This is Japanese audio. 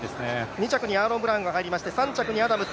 ２着にアーロン・ブラウンが入りまして、３着にアダムス。